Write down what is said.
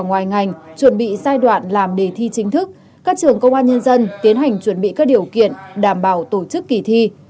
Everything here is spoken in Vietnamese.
các trưởng công an nhân dân tiến hành chuẩn bị giai đoạn làm đề thi chính thức các trưởng công an nhân dân tiến hành chuẩn bị các điều kiện đảm bảo tổ chức kỳ thi